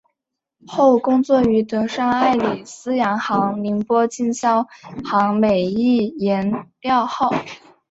后工作于德商爱礼司洋行宁波经销行美益颜料号。